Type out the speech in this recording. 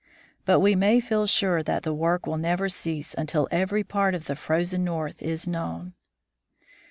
But we may feel sure that the work will never cease until every part of the Frozen North is known.